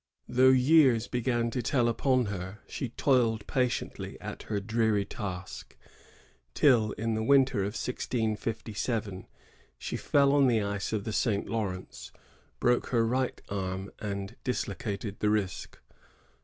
Thougli years began to tell upon her, she toiled patiently at her dreaiy task, till, in the winter of 1657, she fell on the ice of the St. Lawrence, broke her right arm, and dis located the wrist.